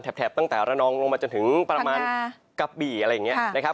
แถบตั้งแต่ระนองลงมาจนถึงประมาณกะบี่อะไรอย่างนี้นะครับ